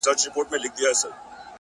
چي پیر مو سو ملګری د شیطان څه به کوو؟،